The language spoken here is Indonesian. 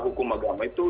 hukum agama itu